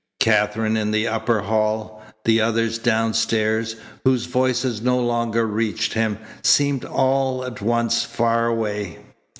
Katherine in the upper hall, the others downstairs, whose voices no longer reached him, seemed all at once far away.